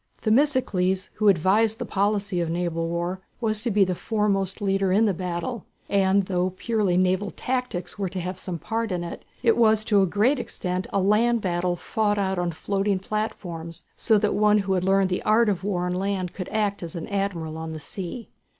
Themistocles, who had advised the policy of naval war, was to be the foremost leader in the battle, and though purely naval tactics were to have some part in it, it was to be to a great extent a land battle fought out on floating platforms, so that one who had learned the art of war on land could act as an admiral on the sea.